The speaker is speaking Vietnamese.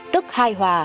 tức hai hòa